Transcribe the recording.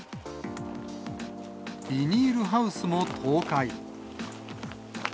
ビニールハウスも倒壊。